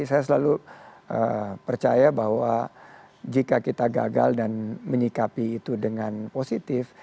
saya selalu percaya bahwa jika kita gagal dan menyikapi itu dengan positif